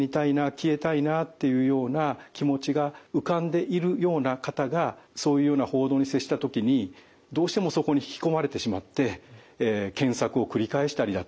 「消えたいな」っていうような気持ちが浮かんでいるような方がそういうような報道に接した時にどうしてもそこに引き込まれてしまって検索を繰り返したりだとか